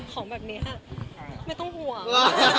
ของแบบนี้ไม่ต้องห่วง